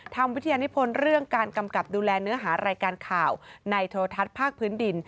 วิทยานิพลเรื่องการกำกับดูแลเนื้อหารายการข่าวในโทรทัศน์ภาคพื้นดิน